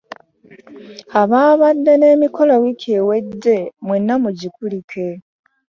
Ababadde n'emikolo wiiki ewedde mwenna mugikulike.